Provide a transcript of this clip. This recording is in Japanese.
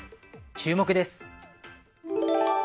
注目です。